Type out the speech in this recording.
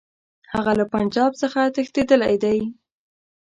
هغه له پنجاب څخه تښتېدلی دی.